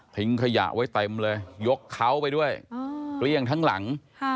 ขยะไว้เต็มเลยยกเขาไปด้วยเกลี้ยงทั้งหลัง